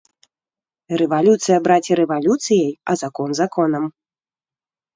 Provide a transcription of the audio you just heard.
Рэвалюцыя, браце, рэвалюцыяй, а закон законам.